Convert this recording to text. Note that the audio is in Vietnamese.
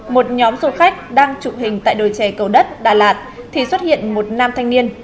một nhóm du khách đang chụp hình tại đồi trè cầu đất đà lạt thì xuất hiện một nam thanh niên